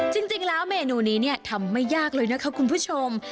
จริงแล้วเมนูนี้เนี่ยทำไม่ยากเลยนะคะคุณผู้ชม